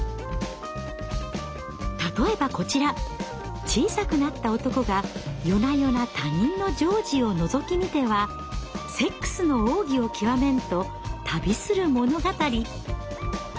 例えばこちら小さくなった男が夜な夜な他人の情事をのぞき見てはセックスの奥義をきわめんと旅する物語。